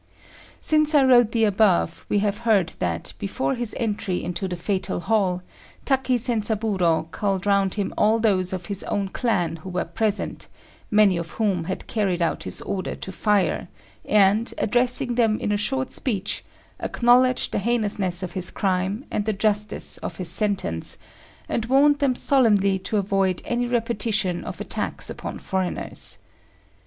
Since I wrote the above, we have heard that, before his entry into the fatal hall, Taki Zenzaburô called round him all those of his own clan who were present, many of whom had carried out his order to fire, and, addressing them in a short speech, acknowledged the heinousness of his crime and the justice of his sentence, and warned them solemnly to avoid any repetition of attacks upon foreigners.